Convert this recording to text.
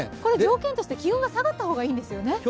条件として気温が下がった方がいいんですよね？